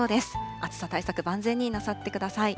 暑さ対策、万全になさってください。